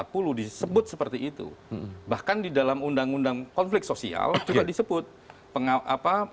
pemerintah tata pemerintah tata